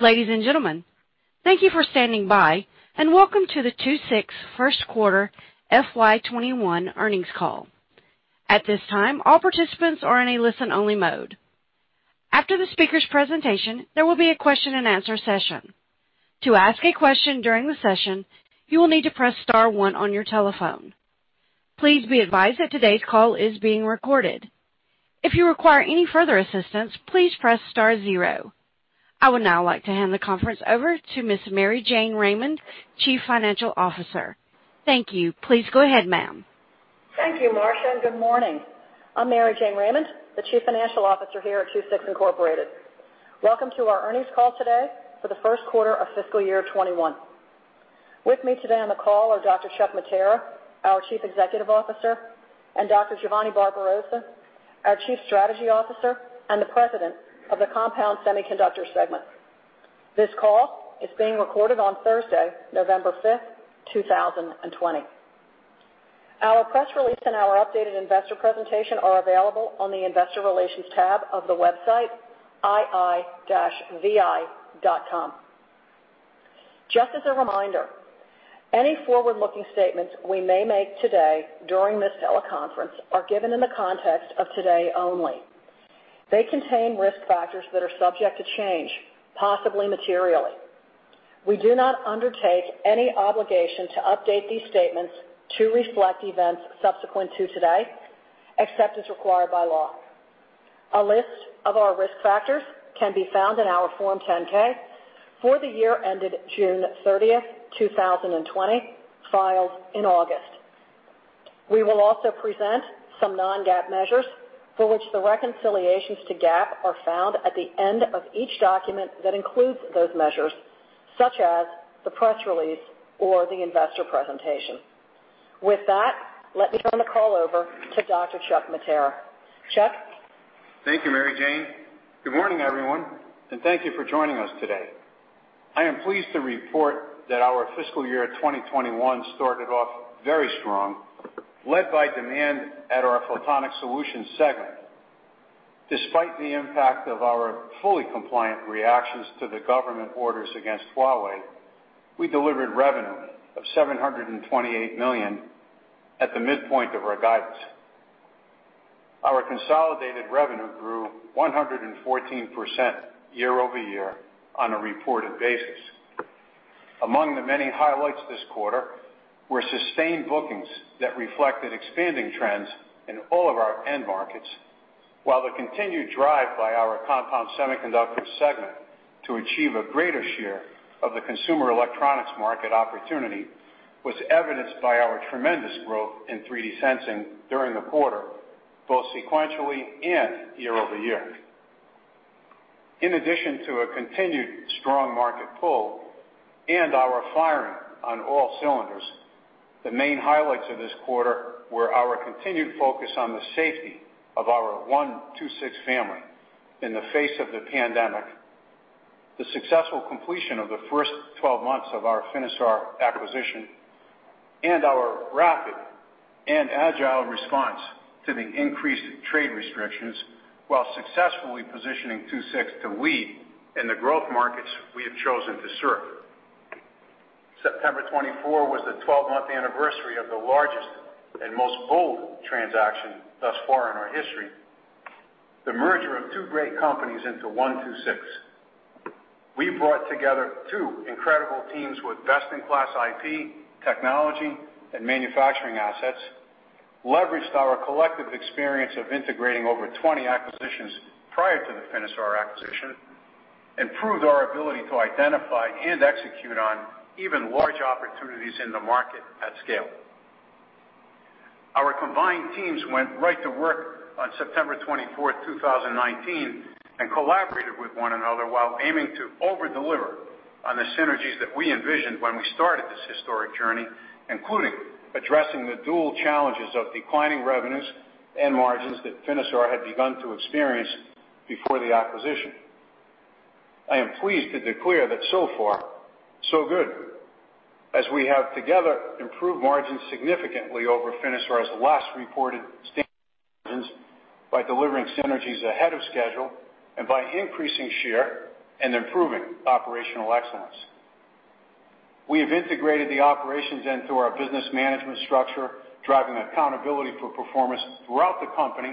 Ladies and gentlemen, thank you for standing by and welcome to the II-VI first quarter FY 2021 earnings call. At this time, all participants are in a listen-only mode. After the speaker's presentation, there will be a question-and-answer session. To ask a question during the session, you will need to press star one on your telephone. Please be advised that today's call is being recorded. If you require any further assistance, please press star zero. I would now like to hand the conference over to Ms. Mary Jane Raymond, Chief Financial Officer. Thank you. Please go ahead, ma'am. Thank you, Marsha. Good morning. I'm Mary Jane Raymond, the Chief Financial Officer here at II-VI Incorporated. Welcome to our earnings call today for the first quarter of fiscal year 2021. With me today on the call are Dr. Chuck Mattera, our Chief Executive Officer, and Dr. Giovanni Barbarossa, our Chief Strategy Officer and the President of the Compound Semiconductor Segment. This call is being recorded on Thursday, November 5th, 2020. Our press release and our updated investor presentation are available on the investor relations tab of the website ii-vi.com. Just as a reminder, any forward-looking statements we may make today during this teleconference are given in the context of today only. They contain risk factors that are subject to change, possibly materially. We do not undertake any obligation to update these statements to reflect events subsequent to today, except as required by law. A list of our risk factors can be found in our Form 10-K for the year ended June 30th, 2020, filed in August. We will also present some non-GAAP measures for which the reconciliations to GAAP are found at the end of each document that includes those measures, such as the press release or the investor presentation. With that, let me turn the call over to Dr. Chuck Mattera. Chuck? Thank you, Mary Jane. Good morning, everyone, thank you for joining us today. I am pleased to report that our fiscal year 2021 started off very strong, led by demand at our Photonics Solutions segment. Despite the impact of our fully compliant reactions to the government orders against Huawei, we delivered revenue of $728 million at the midpoint of our guidance. Our consolidated revenue grew 114% year-over-year on a reported basis. Among the many highlights this quarter were sustained bookings that reflected expanding trends in all of our end markets. While the continued drive by our Compound Semiconductor segment to achieve a greater share of the consumer electronics market opportunity was evidenced by our tremendous growth in 3D sensing during the quarter, both sequentially and year-over-year. In addition to a continued strong market pull and our firing on all cylinders, the main highlights of this quarter were our continued focus on the safety of our One II-VI family in the face of the pandemic, the successful completion of the first 12 months of our Finisar acquisition, and our rapid and agile response to the increased trade restrictions while successfully positioning II-VI to lead in the growth markets we have chosen to serve. September 24 was the 12-month anniversary of the largest and most bold transaction thus far in our history, the merger of two great companies into One II-VI. We brought together two incredible teams with best-in-class IP, technology, and manufacturing assets, leveraged our collective experience of integrating over 20 acquisitions prior to the Finisar acquisition, improved our ability to identify and execute on even large opportunities in the market at scale. Our combined teams went right to work on September 24th, 2019, and collaborated with one another while aiming to over-deliver on the synergies that we envisioned when we started this historic journey, including addressing the dual challenges of declining revenues and margins that Finisar had begun to experience before the acquisition. I am pleased to declare that so far, so good, as we have together improved margins significantly over Finisar's last reported standalone margins by delivering synergies ahead of schedule and by increasing share and improving operational excellence. We have integrated the operations into our business management structure, driving accountability for performance throughout the company,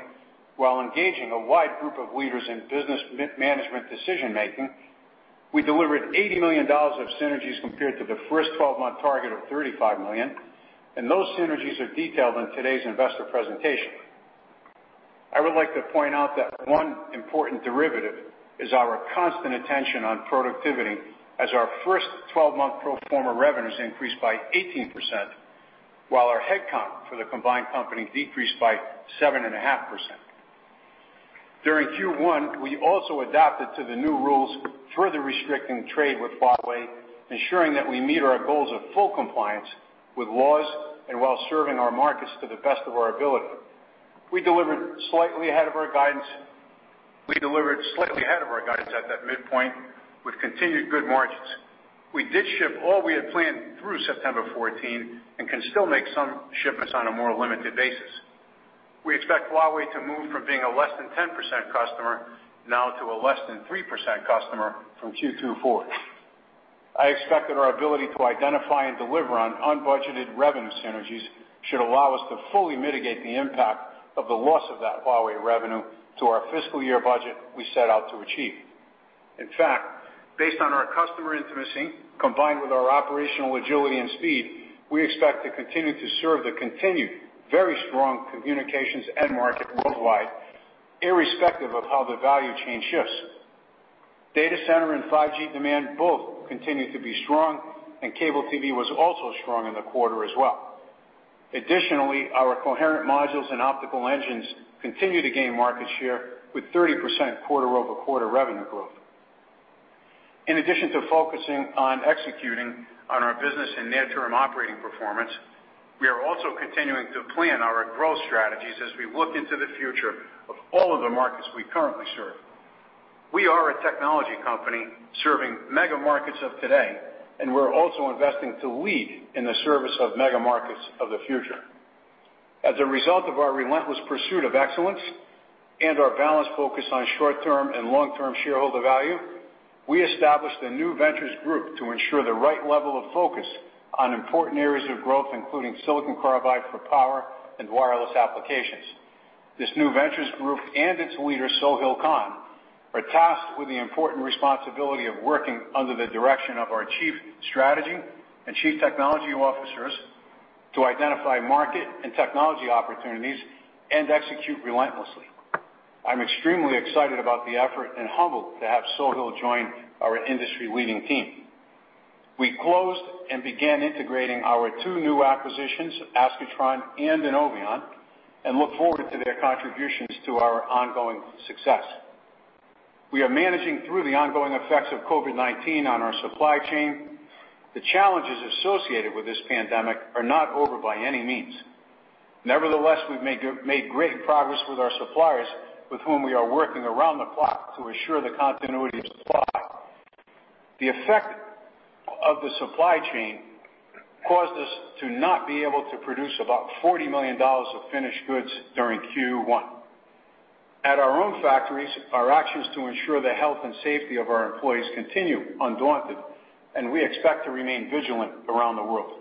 while engaging a wide group of leaders in business management decision-making. We delivered $80 million of synergies compared to the first 12-month target of $35 million, and those synergies are detailed in today's investor presentation. I would like to point out that one important derivative is our constant attention on productivity as our first 12-month pro forma revenues increased by 18%, while our headcount for the combined company decreased by 7.5%. During Q1, we also adapted to the new rules further restricting trade with Huawei, ensuring that we meet our goals of full compliance with laws and while serving our markets to the best of our ability. We delivered slightly ahead of our guidance at that midpoint. Continued good margins. We did ship all we had planned through September 14 and can still make some shipments on a more limited basis. We expect Huawei to move from being a less than 10% customer now to a less than 3% customer from Q2 to Q4. I expect that our ability to identify and deliver on unbudgeted revenue synergies should allow us to fully mitigate the impact of the loss of that Huawei revenue to our fiscal year budget we set out to achieve. In fact, based on our customer intimacy, combined with our operational agility and speed, we expect to continue to serve the continued very strong communications end market worldwide, irrespective of how the value chain shifts. Data center and 5G demand both continue to be strong, and cable TV was also strong in the quarter as well. Additionally, our coherent modules and optical engines continue to gain market share with 30% quarter-over-quarter revenue growth. In addition to focusing on executing on our business and near-term operating performance, we are also continuing to plan our growth strategies as we look into the future of all of the markets we currently serve. We are a technology company serving mega markets of today. We're also investing to lead in the service of mega markets of the future. As a result of our relentless pursuit of excellence and our balanced focus on short-term and long-term shareholder value, we established a new ventures group to ensure the right level of focus on important areas of growth, including silicon carbide for power and wireless applications. This new ventures group and its leader, Sohail Khan, are tasked with the important responsibility of working under the direction of our chief strategy and chief technology officers to identify market and technology opportunities and execute relentlessly. I'm extremely excited about the effort and humbled to have Sohail join our industry-leading team. We closed and began integrating our two new acquisitions, Ascatron and INNOViON, and look forward to their contributions to our ongoing success. We are managing through the ongoing effects of COVID-19 on our supply chain. The challenges associated with this pandemic are not over by any means. Nevertheless, we've made great progress with our suppliers, with whom we are working around the clock to ensure the continuity of supply. The effect of the supply chain caused us to not be able to produce about $40 million of finished goods during Q1. At our own factories, our actions to ensure the health and safety of our employees continue undaunted, and we expect to remain vigilant around the world.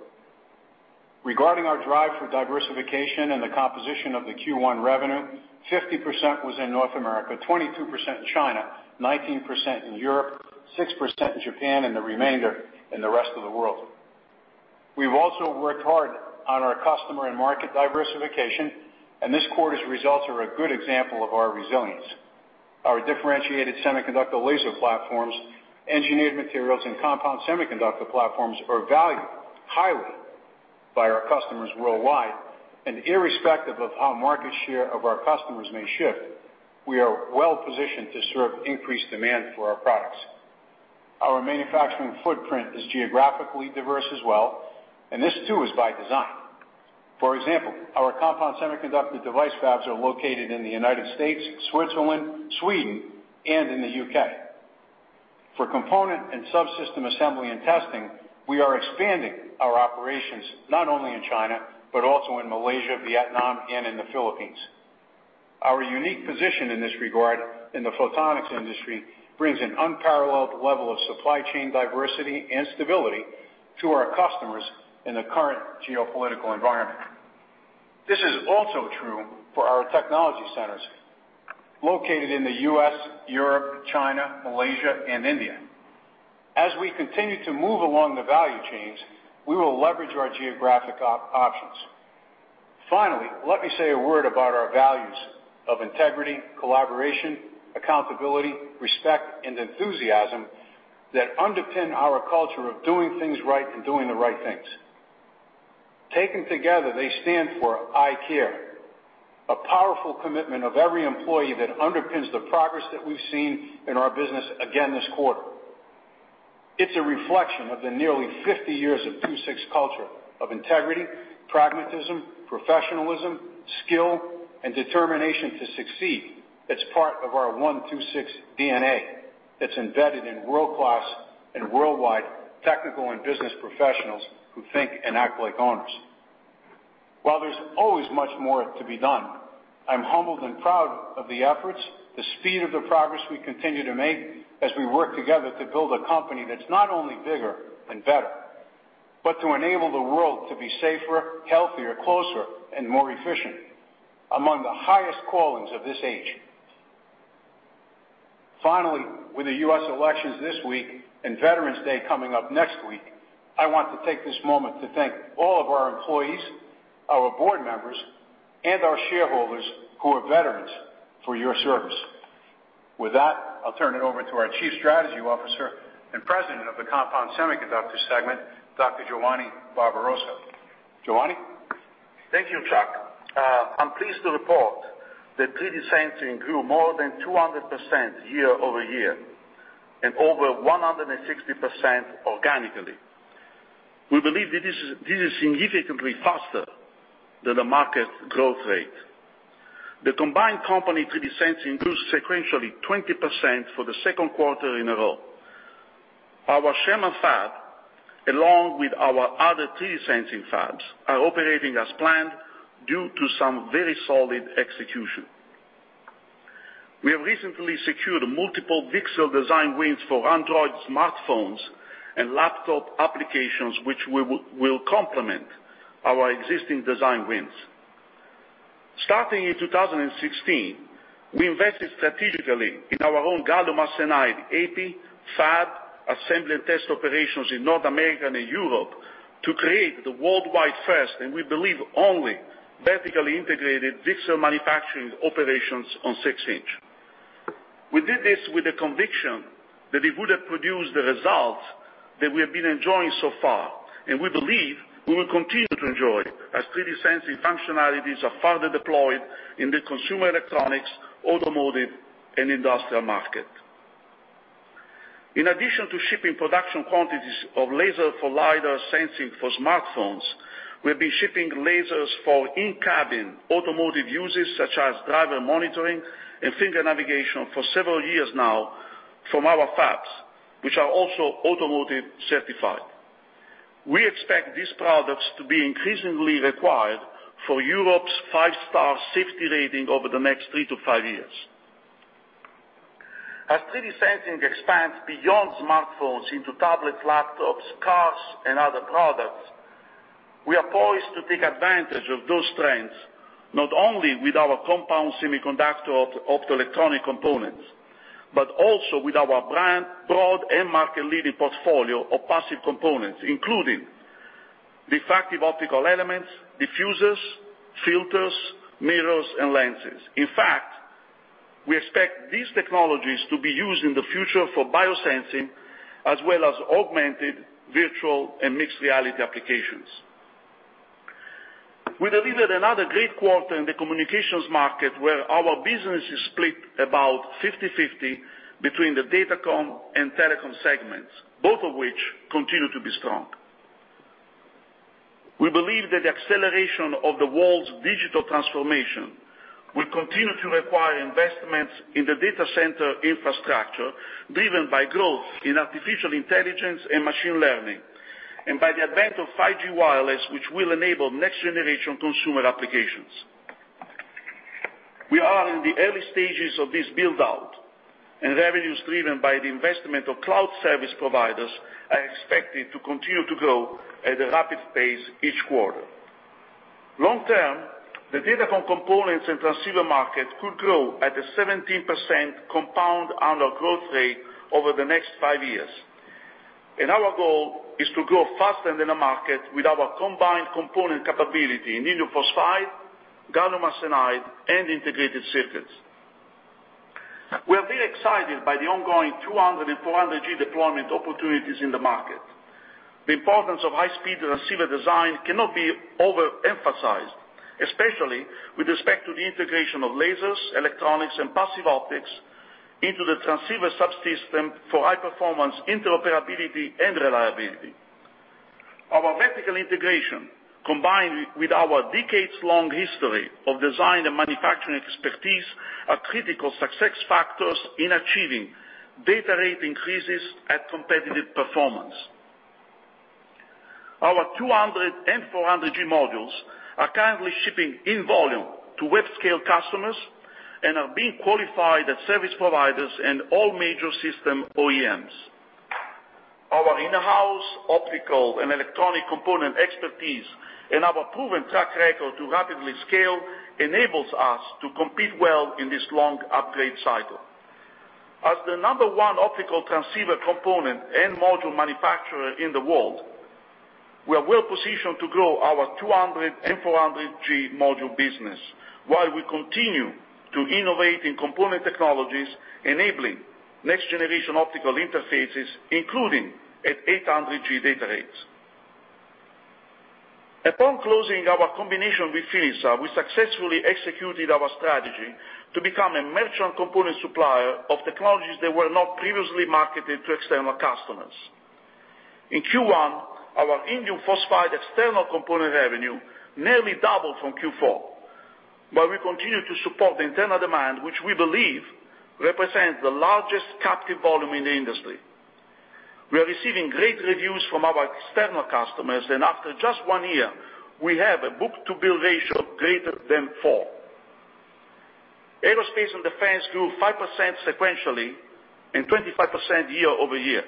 Regarding our drive for diversification and the composition of the Q1 revenue, 50% was in North America, 22% in China, 19% in Europe, 6% in Japan, and the remainder in the rest of the world. We've also worked hard on our customer and market diversification, and this quarter's results are a good example of our resilience. Our differentiated semiconductor laser platforms, engineered materials, and Compound Semiconductor platforms are valued highly by our customers worldwide. Irrespective of how market share of our customers may shift, we are well-positioned to serve increased demand for our products. Our manufacturing footprint is geographically diverse as well, and this too is by design. For example, our Compound Semiconductor device fabs are located in the United States, Switzerland, Sweden, and in the U.K. For component and subsystem assembly and testing, we are expanding our operations not only in China, but also in Malaysia, Vietnam, and in the Philippines. Our unique position in this regard in the photonics industry brings an unparalleled level of supply chain diversity and stability to our customers in the current geopolitical environment. This is also true for our technology centers located in the U.S., Europe, China, Malaysia, and India. As we continue to move along the value chains, we will leverage our geographic options. Finally, let me say a word about our values of integrity, collaboration, accountability, respect, and enthusiasm that underpin our culture of doing things right and doing the right things. Taken together, they stand for I CARE, a powerful commitment of every employee that underpins the progress that we've seen in our business again this quarter. It's a reflection of the nearly 50 years of II-VI culture of integrity, pragmatism, professionalism, skill, and determination to succeed that's part of our One II-VI DNA that's embedded in world-class and worldwide technical and business professionals who think and act like owners. While there's always much more to be done, I'm humbled and proud of the efforts, the speed of the progress we continue to make as we work together to build a company that's not only bigger and better, but to enable the world to be safer, healthier, closer, and more efficient, among the highest callings of this age. Finally, with the U.S. elections this week and Veterans Day coming up next week, I want to take this moment to thank all of our employees, our board members, and our shareholders who are veterans for your service. With that, I'll turn it over to our Chief Strategy Officer and President of the Compound Semiconductor Segment, Dr. Giovanni Barbarossa. Giovanni? Thank you, Chuck. I'm pleased to report that 3D sensing grew more than 200% year-over-year and over 160% organically. We believe that this is significantly faster than the market growth rate. The combined company 3D sensing grew sequentially 20% for the second quarter in a row. Our Sherman fab, along with our other 3D sensing fabs, are operating as planned due to some very solid execution. We have recently secured multiple VCSEL design wins for Android smartphones and laptop applications, which will complement our existing design wins. Starting in 2016, we invested strategically in our own gallium arsenide epi, fab, assembly, and test operations in North America and Europe to create the worldwide first, and we believe only, vertically integrated VCSEL manufacturing operations on 6-in. We did this with the conviction that it would have produced the results that we have been enjoying so far, and we believe we will continue to enjoy as 3D sensing functionalities are further deployed in the consumer electronics, automotive, and industrial market. In addition to shipping production quantities of laser for LIDAR sensing for smartphones, we have been shipping lasers for in-cabin automotive uses, such as driver monitoring and finger navigation for several years now from our fabs, which are also automotive certified. We expect these products to be increasingly required for Europe's five-star safety rating over the next three to five years. As 3D sensing expands beyond smartphones into tablets, laptops, cars, and other products, we are poised to take advantage of those trends, not only with our Compound Semiconductor optoelectronic components, but also with our broad and market-leading portfolio of passive components, including diffractive optical elements, diffusers, filters, mirrors, and lenses. In fact, we expect these technologies to be used in the future for biosensing, as well as augmented, virtual, and mixed-reality applications. We delivered another great quarter in the communications market, where our business is split about 50/50 between the datacom and telecom segments, both of which continue to be strong. We believe that the acceleration of the world's digital transformation will continue to require investments in the data center infrastructure, driven by growth in artificial intelligence and machine learning, and by the advent of 5G wireless, which will enable next generation consumer applications. We are in the early stages of this buildout. Revenues driven by the investment of cloud service providers are expected to continue to grow at a rapid pace each quarter. Long term, the datacom components and transceiver market could grow at a 17% compound annual growth rate over the next five years. Our goal is to grow faster than the market with our combined component capability in indium phosphide, gallium arsenide, and integrated circuits. We are very excited by the ongoing 200G and 400G deployment opportunities in the market. The importance of high-speed transceiver design cannot be overemphasized, especially with respect to the integration of lasers, electronics, and passive optics into the transceiver subsystem for high performance interoperability and reliability. Our vertical integration, combined with our decades-long history of design and manufacturing expertise, are critical success factors in achieving data rate increases at competitive performance. Our 200G and 400G modules are currently shipping in volume to web scale customers and are being qualified at service providers and all major system OEMs. Our in-house optical and electronic component expertise and our proven track record to rapidly scale enables us to compete well in this long upgrade cycle. As the number one optical transceiver component and module manufacturer in the world, we are well positioned to grow our 200G and 400G module business while we continue to innovate in component technologies enabling next generation optical interfaces, including at 800G data rates. Upon closing our combination with Finisar, we successfully executed our strategy to become a merchant component supplier of technologies that were not previously marketed to external customers. In Q1, our indium phosphide external component revenue nearly doubled from Q4, while we continue to support the internal demand, which we believe represents the largest captive volume in the industry. We are receiving great reviews from our external customers, and after just one year, we have a book-to-bill ratio greater than 4x. Aerospace and defense grew 5% sequentially and 25% year-over-year.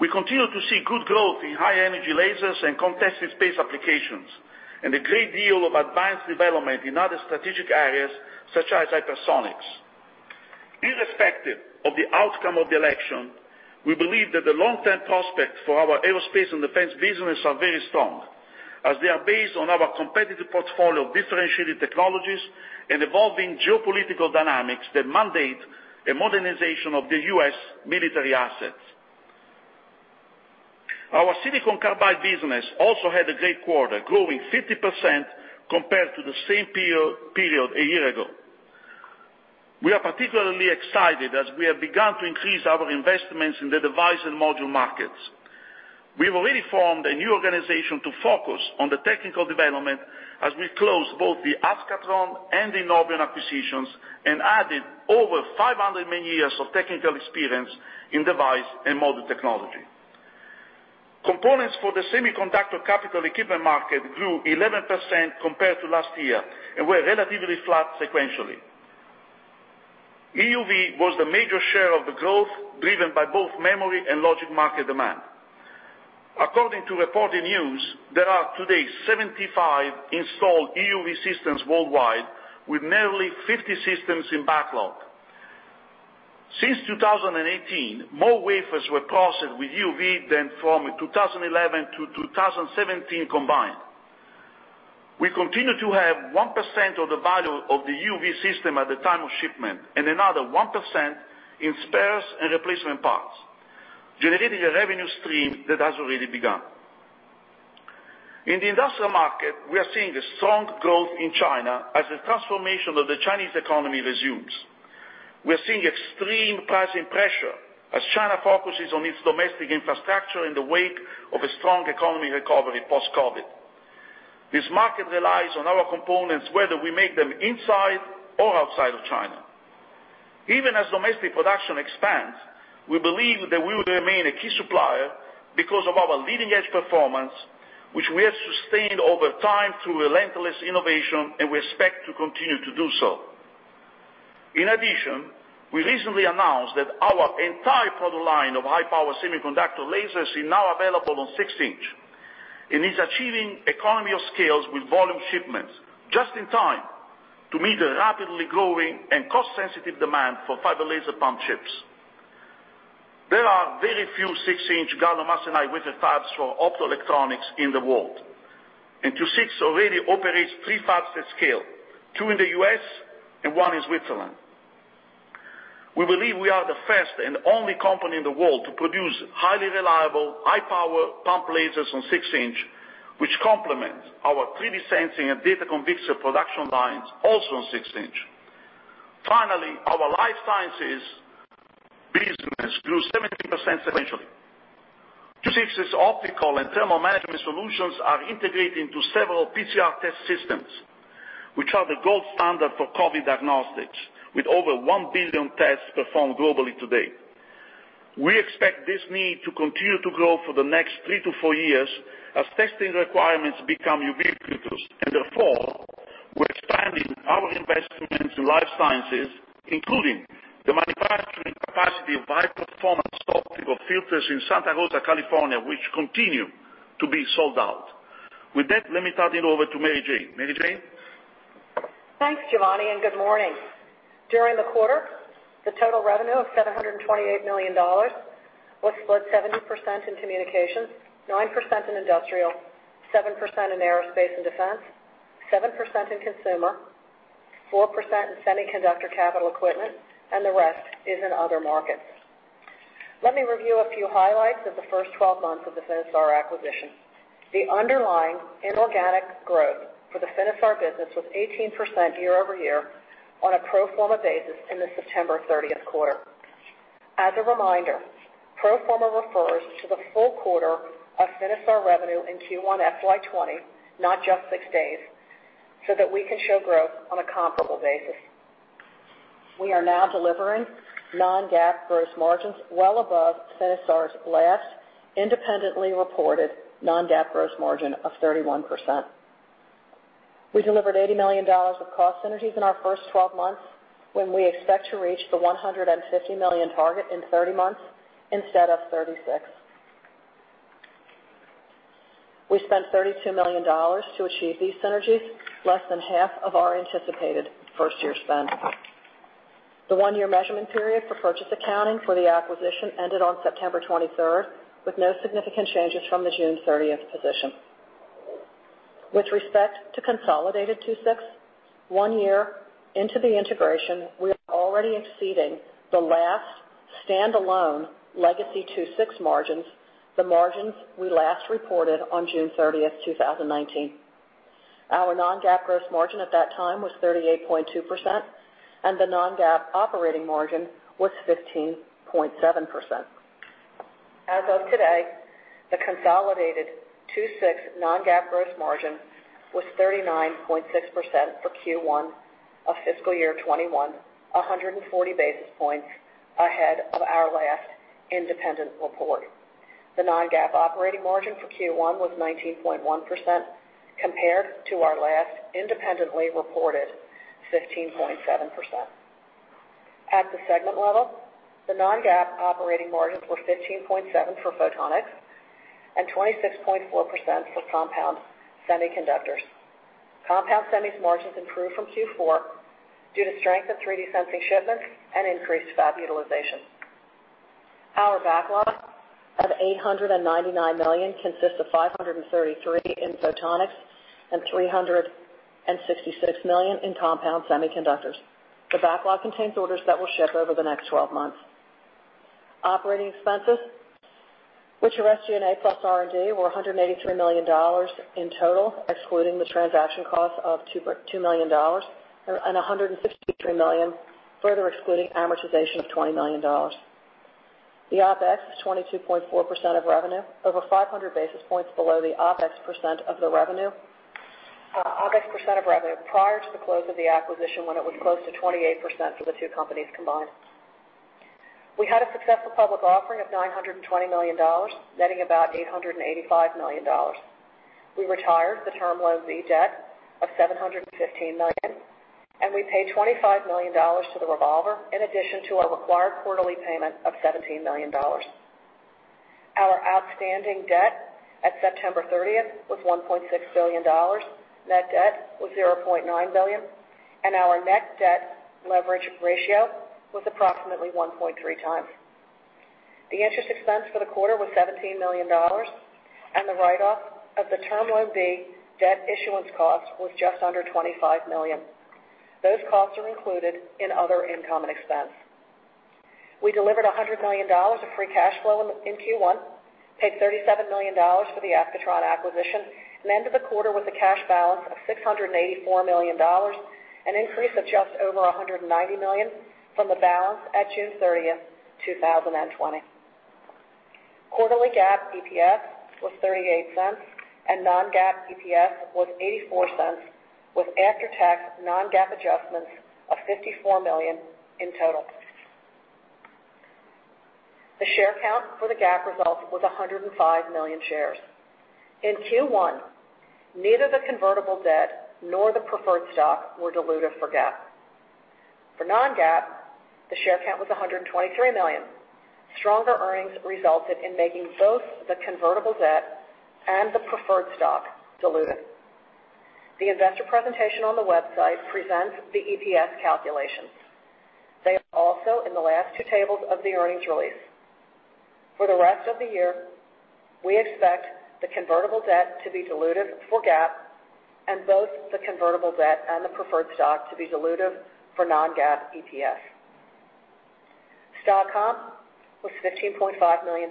We continue to see good growth in high energy lasers and contested space applications, and a great deal of advanced development in other strategic areas such as hypersonics. Irrespective of the outcome of the election, we believe that the long-term prospects for our aerospace and defense business are very strong, as they are based on our competitive portfolio of differentiated technologies and evolving geopolitical dynamics that mandate a modernization of the U.S. military assets. Our silicon carbide business also had a great quarter, growing 50% compared to the same period a year ago. We are particularly excited as we have begun to increase our investments in the device and module markets. We've already formed a new organization to focus on the technical development as we close both the Ascatron and the INNOViON acquisitions, and added over 500 man-years of technical experience in device and module technology. Components for the semiconductor capital equipment market grew 11% compared to last year and were relatively flat sequentially. EUV was the major share of the growth, driven by both memory and logic market demand. According to reported news, there are today 75 installed EUV systems worldwide, with nearly 50 systems in backlog. Since 2018, more wafers were processed with EUV than from 2011 to 2017 combined. We continue to have 1% of the value of the EUV system at the time of shipment, and another 1% in spares and replacement parts, generating a revenue stream that has already begun. In the industrial market, we are seeing a strong growth in China as the transformation of the Chinese economy resumes. We are seeing extreme pricing pressure as China focuses on its domestic infrastructure in the wake of a strong economy recovery post-COVID. This market relies on our components whether we make them inside or outside of China. Even as domestic production expands, we believe that we will remain a key supplier because of our leading-edge performance, which we have sustained over time through relentless innovation, and we expect to continue to do so. In addition, we recently announced that our entire product line of high-power semiconductor lasers is now available on 6-in and is achieving economies of scale with volume shipments just in time to meet the rapidly growing and cost-sensitive demand for fiber laser pump chips. There are very few 6-in gallium arsenide wafer fabs for optoelectronics in the world, and II-VI already operates three fabs at scale, two in the U.S. and one in Switzerland. We believe we are the first and only company in the world to produce highly reliable, high-power pump lasers on 6-in, which complement our 3D sensing and datacom VCSEL production lines also on 6-in. Finally, our life sciences business grew 17% sequentially. II-VI's optical and thermal management solutions are integrated into several PCR test systems, which are the gold standard for COVID diagnostics with over 1 billion tests performed globally today. We expect this need to continue to grow for the next three to four years as testing requirements become ubiquitous, and therefore, we're expanding our investment into life sciences, including the manufacturing capacity of high-performance optical filters in Santa Rosa, California, which continue to be sold out. With that, let me turn it over to Mary Jane. Mary Jane? Thanks, Giovanni. Good morning. During the quarter, the total revenue of $728 million was split 70% in communications, 9% in industrial, 7% in aerospace and defense, 7% in consumer, 4% in semiconductor capital equipment, and the rest is in other markets. Let me review a few highlights of the first 12 months of the Finisar acquisition. The underlying inorganic growth for the Finisar business was 18% year-over-year on a pro forma basis in the September 30th quarter. As a reminder, pro forma refers to the full quarter of Finisar revenue in Q1 FY 2020, not just six days, so that we can show growth on a comparable basis. We are now delivering non-GAAP gross margins well above Finisar's last independently reported non-GAAP gross margin of 31%. We delivered $80 million of cost synergies in our first 12 months when we expect to reach the $150 million target in 30 months instead of 36. We spent $32 million to achieve these synergies, less than half of our anticipated first-year spend. The one-year measurement period for purchase accounting for the acquisition ended on September 23rd with no significant changes from the June 30th position. With respect to consolidated II-VI, one year into the integration, we are already exceeding the last standalone legacy II-VI margins, the margins we last reported on June 30th, 2019. Our non-GAAP gross margin at that time was 38.2%, and the non-GAAP operating margin was 15.7%. As of today, the consolidated II-VI non-GAAP gross margin was 39.6% for Q1 of fiscal year 2021, 140 basis points ahead of our last independent report. The non-GAAP operating margin for Q1 was 19.1% compared to our last independently reported 15.7%. At the segment level, the non-GAAP operating margins were 15.7% for Photonics and 26.4% for Compound Semiconductors. Compound Semi's margins improved from Q4 due to strength in 3D sensing shipments and increased fab utilization. Our backlog of $899 million consists of $533 million in Photonics and $366 million in Compound Semiconductors. The backlog contains orders that will ship over the next 12 months. Operating expenses, which are SG&A plus R&D, were $183 million in total, excluding the transaction cost of $2 million and $163 million, further excluding amortization of $20 million. The OpEx, 22.4% of revenue, over 500 basis points below the OpEx percent of the revenue. OpEx percent of revenue prior to the close of the acquisition when it was close to 28% for the two companies combined. We had a successful public offering of $920 million, netting about $885 million. We retired the Term Loan B debt of $715 million, and we paid $25 million to the revolver in addition to our required quarterly payment of $17 million. Our outstanding debt at September 30th was $1.6 billion, net debt was $0.9 billion, and our net debt leverage ratio was approximately 1.3x. The interest expense for the quarter was $17 million, and the write-off of the Term Loan B debt issuance cost was just under $25 million. Those costs are included in other income and expense. We delivered $100 million of free cash flow in Q1, paid $37 million for the Ascatron acquisition, and ended the quarter with a cash balance of $684 million, an increase of just over $190 million from the balance at June 30th, 2020. Quarterly GAAP EPS was $0.38 and non-GAAP EPS was $0.84, with after-tax non-GAAP adjustments of $54 million in total. The share count for the GAAP results was 105 million shares. In Q1, neither the convertible debt nor the preferred stock were dilutive for GAAP. For non-GAAP, the share count was 123 million. Stronger earnings resulted in making both the convertible debt and the preferred stock dilutive. The investor presentation on the website presents the EPS calculations. They are also in the last two tables of the earnings release. For the rest of the year, we expect the convertible debt to be dilutive for GAAP and both the convertible debt and the preferred stock to be dilutive for non-GAAP EPS. Stock comp was $15.5 million.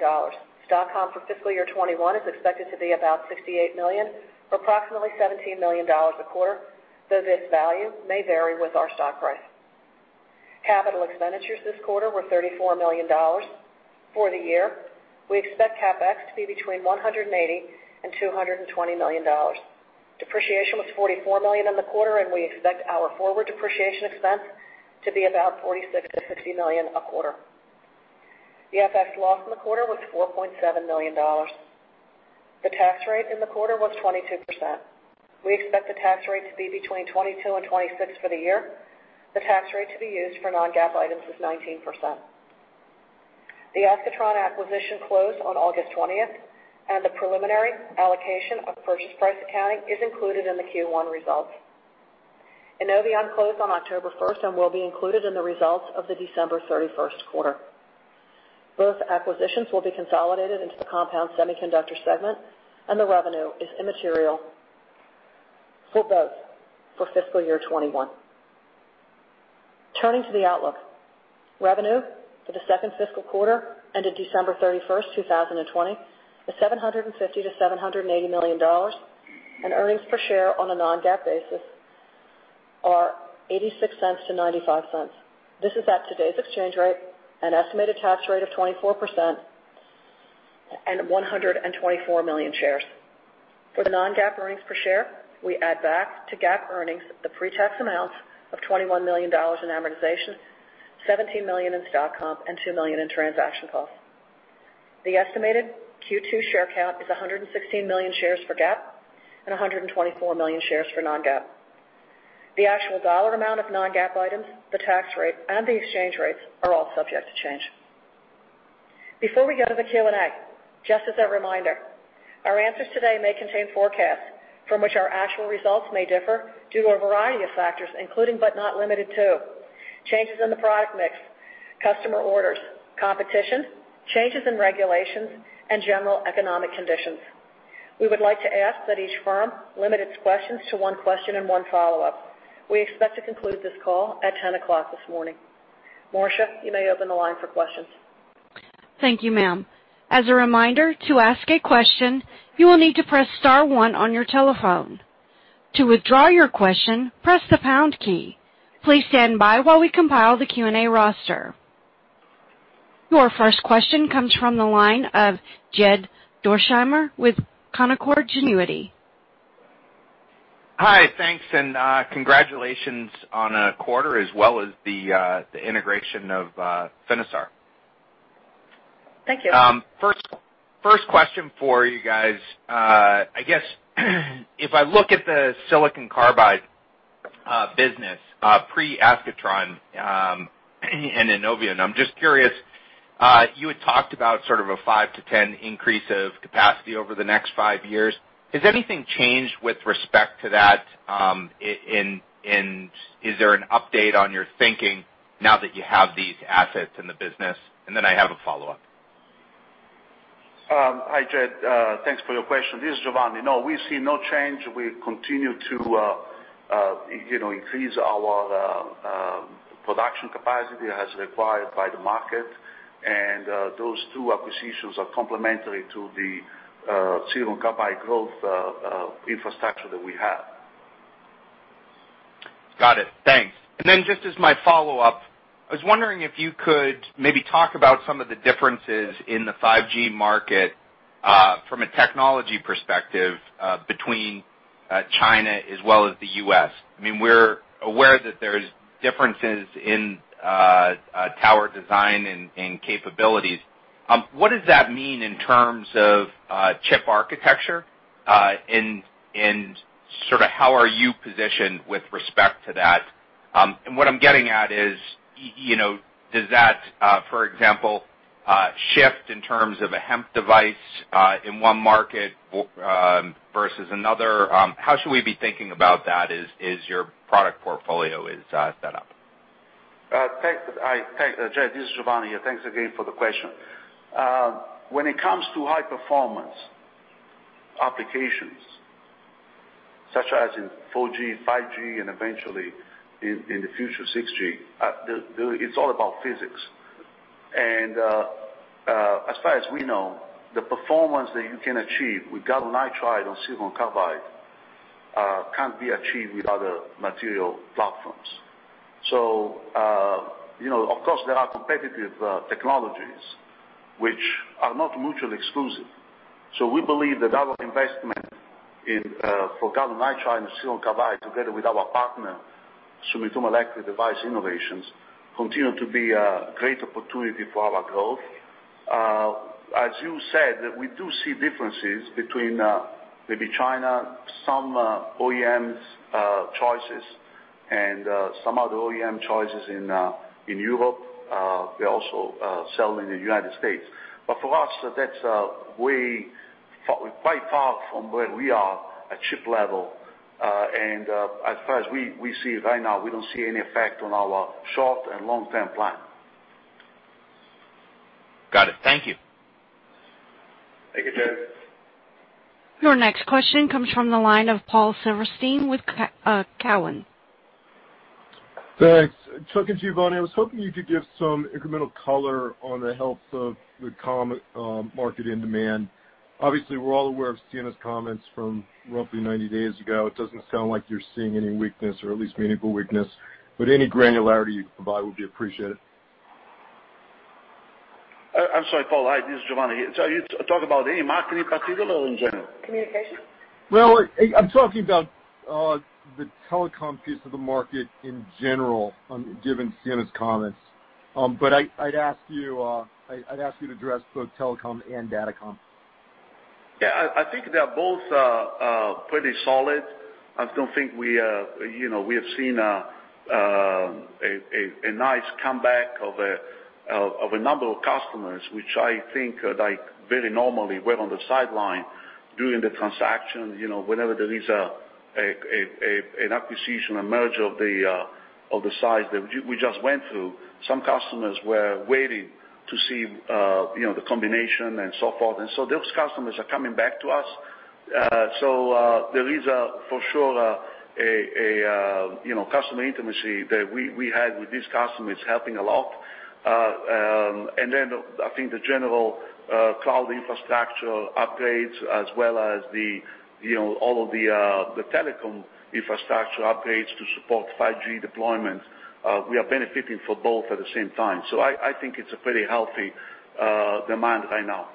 Stock comp for fiscal year 2021 is expected to be about $68 million, or approximately $17 million a quarter, though this value may vary with our stock price. Capital expenditures this quarter were $34 million. For the year, we expect CapEx to be between $180 million and $220 million. Depreciation was $44 million in the quarter, and we expect our forward depreciation expense to be about $46 million-$60 million a quarter. The FX loss in the quarter was $4.7 million. The tax rate in the quarter was 22%. We expect the tax rate to be between 22% and 26% for the year. The tax rate to be used for non-GAAP items is 19%. The Ascatron acquisition closed on August 20th, and the preliminary allocation of purchase price accounting is included in the Q1 results. INNOViON closed on October 1st and will be included in the results of the December 31st quarter. Both acquisitions will be consolidated into the Compound Semiconductor segment, and the revenue is immaterial for both for fiscal year 2021. Turning to the outlook. Revenue for the second fiscal quarter ended December 31st, 2020, is $750 million-$780 million, and earnings per share on a non-GAAP basis are $0.86-$0.95. This is at today's exchange rate, an estimated tax rate of 24%, and 124 million shares. For the non-GAAP earnings per share, we add back to GAAP earnings the pre-tax amounts of $21 million in amortization, $17 million in stock comp, and $2 million in transaction costs. The estimated Q2 share count is 116 million shares for GAAP and 124 million shares for non-GAAP. The actual dollar amount of non-GAAP items, the tax rate, and the exchange rates are all subject to change. Before we go to the Q&A, just as a reminder, our answers today may contain forecasts from which our actual results may differ due to a variety of factors, including but not limited to changes in the product mix, customer orders, competition, changes in regulations, and general economic conditions. We would like to ask that each firm limit its questions to one question and one follow-up. We expect to conclude this call at 10:00 A.M. this morning. Marsha, you may open the line for questions. Thank you, ma'am. As a reminder, to ask a question, you will need to press star one on your telephone. To withdraw your question, press the pound key. Please stand by while we compile the Q&A roster. Your first question comes from the line of Jed Dorsheimer with Canaccord Genuity. Hi. Thanks, and congratulations on a quarter, as well as the integration of Finisar. Thank you. First question for you guys. I guess if I look at the silicon carbide business pre-Ascatron and INNOViON, I'm just curious, you had talked about sort of a five to 10 increase of capacity over the next five years. Has anything changed with respect to that? Is there an update on your thinking now that you have these assets in the business? Then I have a follow-up. Hi, Jed. Thanks for your question. This is Giovanni. No, we see no change. We continue to increase our production capacity as required by the market. Those two acquisitions are complementary to the silicon carbide growth infrastructure that we have. Got it. Thanks. Just as my follow-up, I was wondering if you could maybe talk about some of the differences in the 5G market from a technology perspective between China as well as the U.S. We're aware that there's differences in tower design and capabilities. What does that mean in terms of chip architecture? How are you positioned with respect to that? What I'm getting at is, does that, for example, shift in terms of a HEMT device in one market versus another? How should we be thinking about that as your product portfolio is set up? Jed, this is Giovanni here. Thanks again for the question. When it comes to high-performance applications, such as in 4G, 5G, and eventually in the future 6G, it's all about physics. As far as we know, the performance that you can achieve with gallium nitride on silicon carbide can't be achieved with other material platforms. Of course, there are competitive technologies which are not mutually exclusive. We believe that our investment for gallium nitride and silicon carbide, together with our partner, Sumitomo Electric Device Innovations, continue to be a great opportunity for our growth. As you said, we do see differences between maybe China, some OEMs choices, and some other OEM choices in Europe. We also sell in the United States. For us, that's quite far from where we are at chip level. As far as we see right now, we don't see any effect on our short and long-term plan. Got it. Thank you. Thank you, Jed. Your next question comes from the line of Paul Silverstein with Cowen. Thanks. Talking to you, Giovanni, I was hoping you could give some incremental color on the health of the comm market and demand. Obviously, we're all aware of Ciena's comments from roughly 90 days ago. It doesn't sound like you're seeing any weakness, or at least meaningful weakness, but any granularity you can provide would be appreciated. I'm sorry, Paul. Hi, this is Giovanni here. You talk about any market in particular or in general? Communication. Well, I'm talking about the telecom piece of the market in general, given Ciena's comments. I'd ask you to address both telecom and datacom. I think they are both pretty solid. I still think we have seen a nice comeback of a number of customers, which I think, very normally, were on the sideline during the transaction. Whenever there is an acquisition or merger of the size that we just went through, some customers were waiting to see the combination and so forth. Those customers are coming back to us. There is, for sure, a customer intimacy that we had with these customers helping a lot. I think the general cloud infrastructure upgrades as well as all of the telecom infrastructure upgrades to support 5G deployment, we are benefiting for both at the same time. I think it's a pretty healthy demand right now.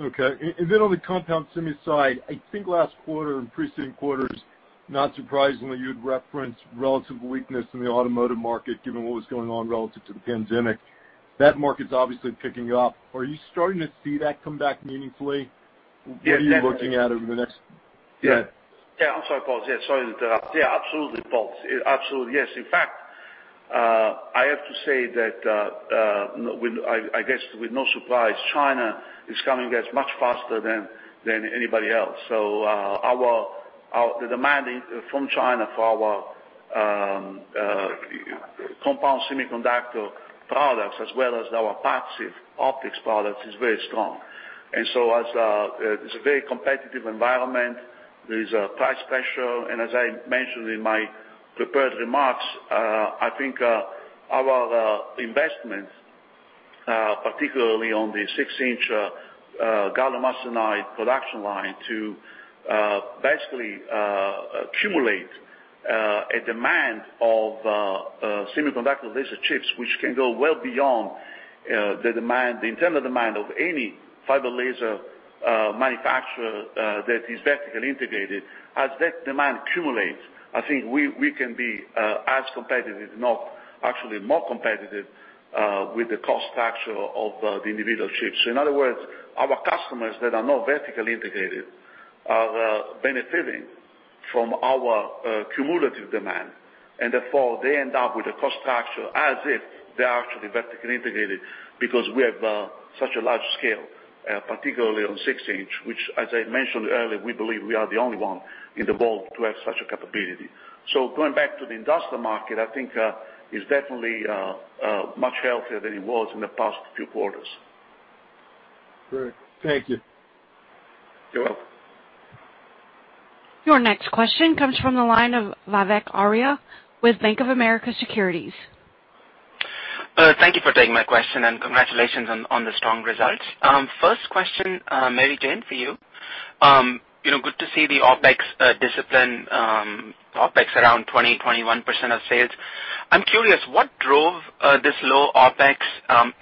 Okay. On the Compound Semi side, I think last quarter and preceding quarters, not surprisingly, you'd referenced relative weakness in the automotive market given what was going on relative to the pandemic. That market's obviously picking up. Are you starting to see that come back meaningfully? Yeah, definitely. What are you looking at over the next? Yeah. I'm sorry, Paul. Sorry to interrupt. Yeah, absolutely, Paul. Absolutely, yes. In fact, I have to say that, I guess with no surprise, China is coming at us much faster than anybody else. The demand from China for our Compound Semiconductor products as well as our passive optics products is very strong. It's a very competitive environment. There's a price pressure, and as I mentioned in my prepared remarks, I think our investments, particularly on the 6-in gallium arsenide production line to basically accumulate a demand of semiconductor laser chips, which can go well beyond the internal demand of any fiber laser manufacturer that is vertically integrated. As that demand accumulates, I think we can be as competitive, if not actually more competitive, with the cost structure of the individual chips. In other words, our customers that are not vertically integrated are benefiting from our cumulative demand. Therefore, they end up with a cost structure as if they are actually vertically integrated because we have such a large scale. Particularly on 6-inch, which as I mentioned earlier, we believe we are the only one in the world to have such a capability. Going back to the industrial market, I think is definitely much healthier than it was in the past few quarters. Great. Thank you. You're welcome. Your next question comes from the line of Vivek Arya with Bank of America Securities. Thank you for taking my question and congratulations on the strong results. First question, Mary Jane, for you. Good to see the OpEx discipline, OpEx around 20%, 21% of sales. I'm curious what drove this low OpEx?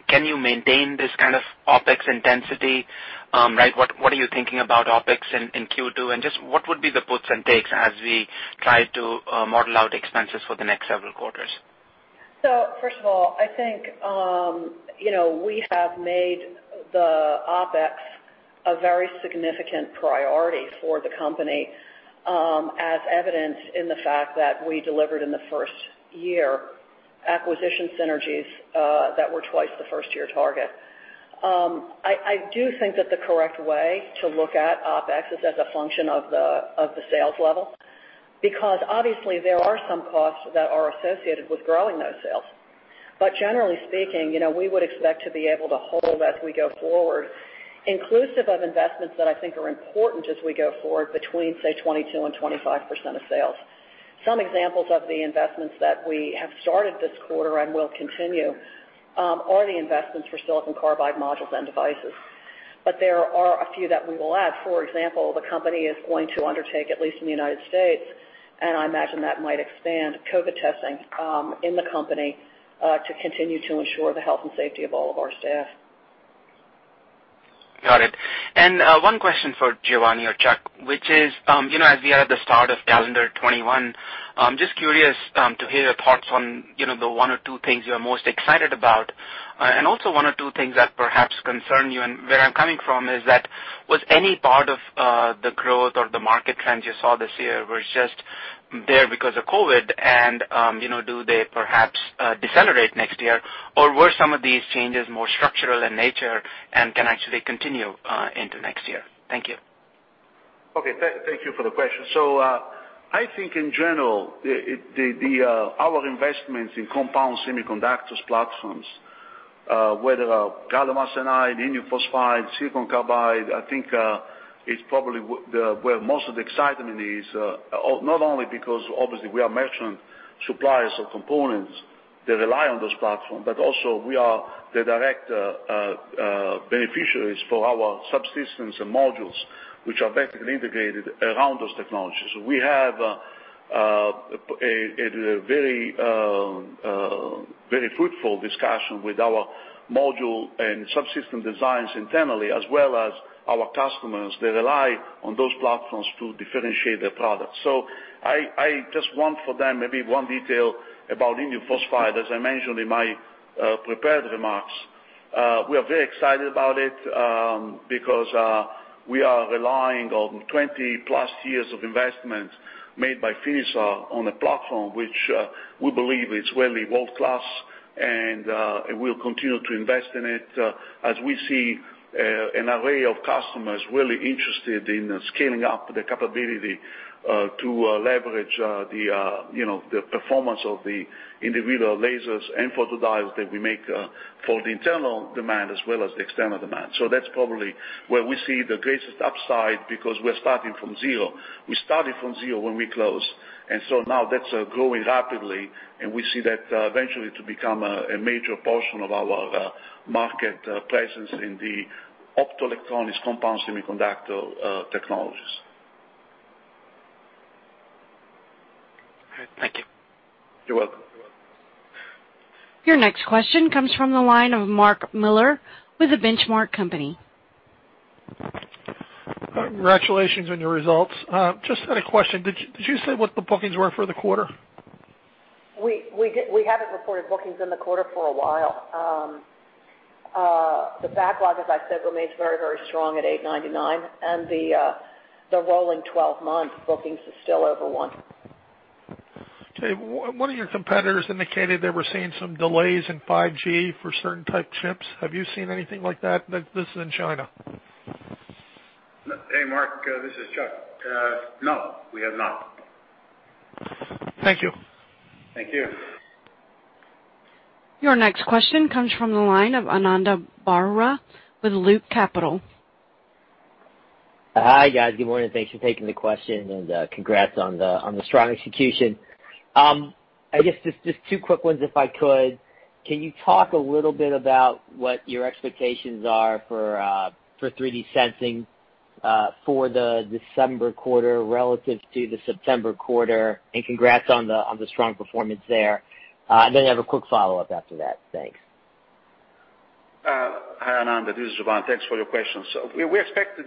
Can you maintain this kind of OpEx intensity, right? What are you thinking about OpEx in Q2 and just what would be the puts and takes as we try to model out expenses for the next several quarters? First of all, I think, we have made the OpEx a very significant priority for the company, as evidenced in the fact that we delivered in the first-year acquisition synergies that were twice the first-year target. I do think that the correct way to look at OpEx is as a function of the sales level, because obviously there are some costs that are associated with growing those sales. Generally speaking, we would expect to be able to hold as we go forward, inclusive of investments that I think are important as we go forward between, say, 22%-25% of sales. Some examples of the investments that we have started this quarter and will continue are the investments for silicon carbide modules and devices. There are a few that we will add. For example, the company is going to undertake, at least in the United States, and I imagine that might expand COVID testing in the company, to continue to ensure the health and safety of all of our staff. Got it. One question for Giovanni or Chuck, which is as we are at the start of calendar 2021, I'm just curious to hear your thoughts on the one or two things you're most excited about, and also one or two things that perhaps concern you. Where I'm coming from is that was any part of the growth or the market trends you saw this year were just there because of COVID and do they perhaps decelerate next year? Were some of these changes more structural in nature and can actually continue into next year? Thank you. Okay. Thank you for the question. I think in general, our investments in Compound Semiconductors platforms, whether gallium arsenide, indium phosphide, silicon carbide, I think, it's probably where most of the excitement is. Not only because obviously we are merchant suppliers of components that rely on those platform, but also we are the direct beneficiaries for our subsystems and modules, which are basically integrated around those technologies. We have a very fruitful discussion with our module and subsystem designs internally, as well as our customers that rely on those platforms to differentiate their products. I just want for them, maybe one detail about indium phosphide, as I mentioned in my prepared remarks. We are very excited about it, because we are relying on 20+ years of investments made by Finisar on a platform which we believe is really world-class, and we'll continue to invest in it as we see an array of customers really interested in scaling up the capability to leverage the performance of the individual lasers and photodiodes that we make for the internal demand as well as the external demand. That's probably where we see the greatest upside because we're starting from zero. We started from zero when we closed, and so now that's growing rapidly, and we see that eventually to become a major portion of our market presence in the optoelectronics Compound Semiconductor technologies. All right. Thank you. You're welcome. Your next question comes from the line of Mark Miller with The Benchmark Company. Congratulations on your results. Just had a question. Did you say what the bookings were for the quarter? We haven't reported bookings in the quarter for a while. The backlog, as I said, remains very, very strong at $899 million, and the rolling 12-month bookings is still over one. Okay, one of your competitors indicated they were seeing some delays in 5G for certain type chips. Have you seen anything like that? This is in China. Hey, Mark, this is Chuck. No, we have not. Thank you. Thank you. Your next question comes from the line of Ananda Baruah with Loop Capital. Hi, guys. Good morning. Thanks for taking the question. Congrats on the strong execution. I guess just two quick ones, if I could. Can you talk a little bit about what your expectations are for 3D sensing for the December quarter relative to the September quarter? Congrats on the strong performance there. I have a quick follow-up after that. Thanks. Hi, Ananda. This is Giovanni. Thanks for your question. We expect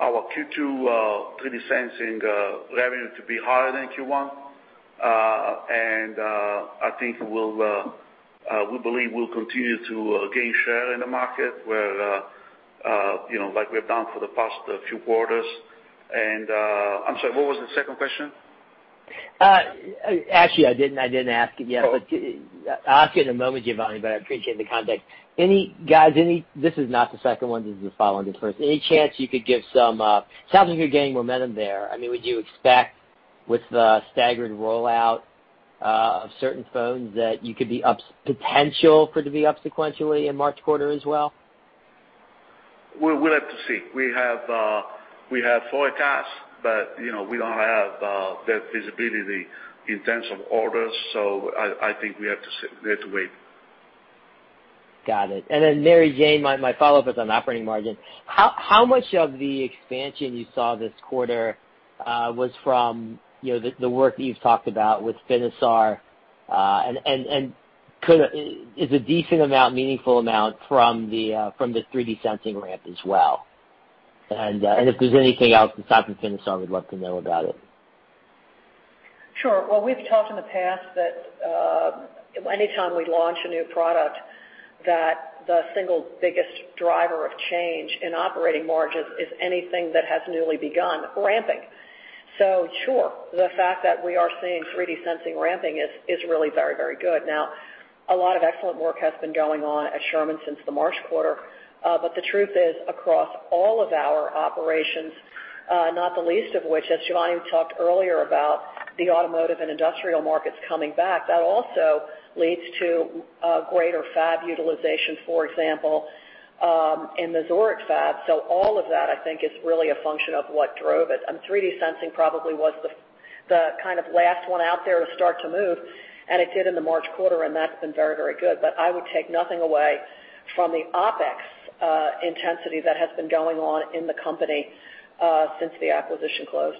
our Q2 3D sensing revenue to be higher than Q1. I think we believe we'll continue to gain share in the market where like we've done for the past few quarters. I'm sorry, what was the second question? Actually, I didn't ask it yet. Oh. I'll ask you in a moment, Giovanni, but I appreciate the context. Guys, this is not the second one, this is the follow-on to the first. Any chance you could give. Sounds like you're gaining momentum there. Would you expect with the staggered rollout of certain phones that you could be up potential for it to be up sequentially in March quarter as well? We'll have to see. We have forecasts, but we don't have that visibility in terms of orders. I think we have to wait. Got it. Mary Jane, my follow-up is on operating margin. How much of the expansion you saw this quarter was from the work that you've talked about with Finisar? Is a decent amount, meaningful amount from the 3D sensing ramp as well? If there's anything else besides Finisar, I would love to know about it. We've talked in the past that anytime we launch a new product, that the single biggest driver of change in operating margins is anything that has newly begun ramping. Sure, the fact that we are seeing 3D sensing ramping is really very, very good. A lot of excellent work has been going on at Sherman since the March quarter. The truth is, across all of our operations, not the least of which, as Giovanni talked earlier about the automotive and industrial markets coming back, that also leads to greater fab utilization, for example, in the Zurich fab. All of that is I think really a function of what drove it. 3D sensing probably was the kind of last one out there to start to move, and it did in the March quarter, and that's been very, very good. I would take nothing away from the OpEx intensity that has been going on in the company since the acquisition closed.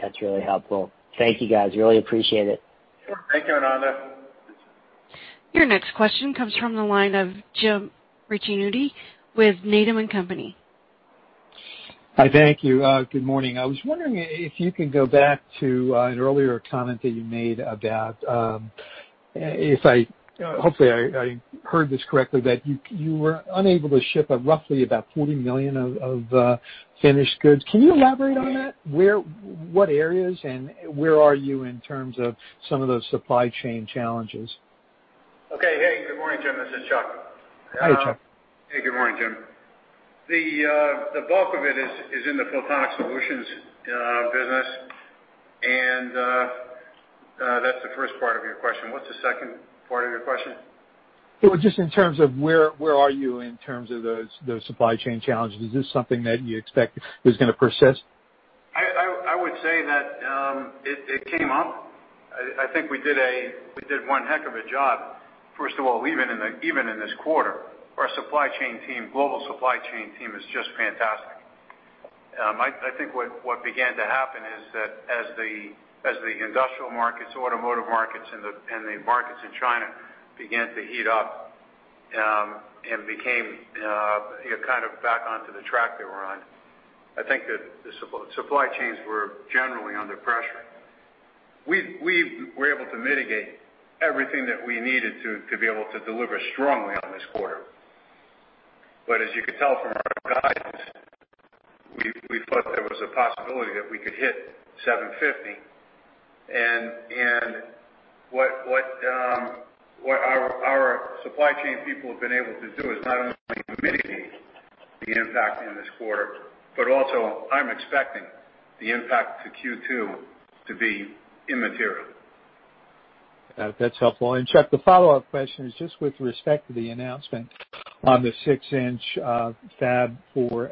That's really helpful. Thank you, guys. Really appreciate it. Sure. Thank you, Ananda. Your next question comes from the line of Jim Ricchiuti with Needham & Company. Hi, thank you. Good morning. I was wondering if you could go back to an earlier comment that you made about, hopefully I heard this correctly, that you were unable to ship roughly about $40 million of finished goods. Can you elaborate on that? What areas and where are you in terms of some of those supply chain challenges? Okay. Hey, good morning, Jim. This is Chuck. Hey, Chuck. Hey, good morning, Jim. The bulk of it is in the Photonics Solutions business, and that's the first part of your question. What's the second part of your question? Well, just in terms of where are you in terms of those supply chain challenges. Is this something that you expect is going to persist? I would say that it came up. I think we did one heck of a job, first of all, even in this quarter. Our supply chain team, global supply chain team is just fantastic. I think what began to happen is that as the industrial markets, automotive markets, and the markets in China began to heat up and became kind of back onto the track they were on, I think that the supply chains were generally under pressure. We were able to mitigate everything that we needed to be able to deliver strongly on this quarter. As you could tell from our guidance, we thought there was a possibility that we could hit $750 million. What our supply chain people have been able to do is not only mitigate the impact in this quarter, but also I'm expecting the impact to Q2 to be immaterial. That's helpful. Chuck, the follow-up question is just with respect to the announcement on the 6-in fab for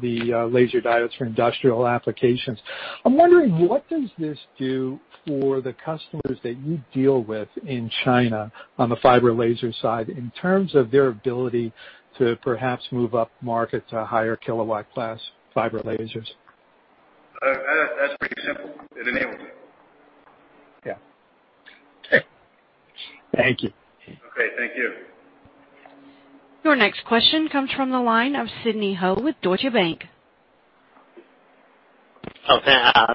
the laser diodes for industrial applications. I'm wondering, what does this do for the customers that you deal with in China on the fiber laser side in terms of their ability to perhaps move up market to higher kilowatt class fiber lasers? That's pretty simple. It enables it. Yeah. Okay. Thank you. Okay, thank you. Your next question comes from the line of Sidney Ho with Deutsche Bank.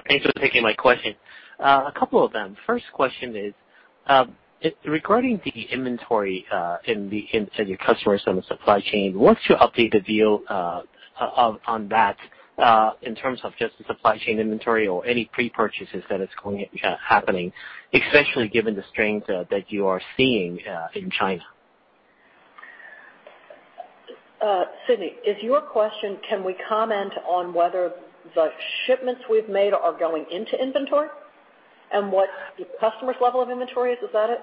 Thanks for taking my question. A couple of them. First question is regarding the inventory and your customers on the supply chain. What is your updated view on that in terms of just the supply chain inventory or any pre-purchases that is happening, especially given the strains that you are seeing in China? Sidney, is your question, can we comment on whether the shipments we've made are going into inventory and what the customer's level of inventory is? Is that it?